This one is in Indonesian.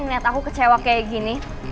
ngeliat aku kecewa kayak gini